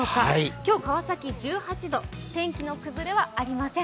今日、川崎１８度、天気の崩れはありません。